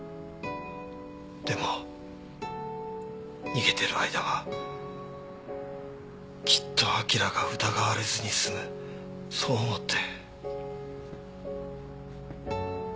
でも逃げてる間はきっとアキラが疑われずに済むそう思って。